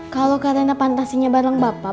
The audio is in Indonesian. kalau karena fantasinya bareng bapak